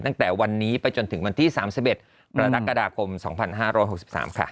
ตั้งแต่วันนี้ไปจนถึงวันที่๓๑ประดับกระดาษกรม๒๕๖๓ค่ะ